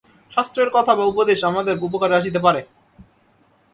শাস্ত্রের কথা বা উপদেশ আমাদের উপকারে আসিতে পারে।